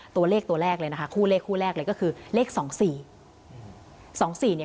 ตัวเลขตัวแรกเลยนะคะคู่เลขคู่แรกเลยก็คือเลข๒๔